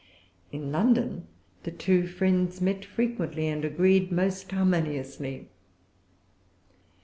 In London the two friends met frequently, and agreed most harmoniously.